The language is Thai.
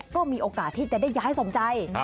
ก็มีโอกาสที่จะได้ย้ายสมใจ